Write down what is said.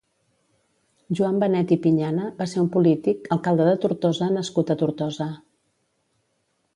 Joan Benet i Pinyana va ser un polític Alcalde de Tortosa nascut a Tortosa.